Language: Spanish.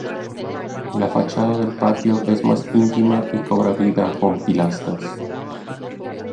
La fachada del patio es más íntima y cobra vida con pilastras.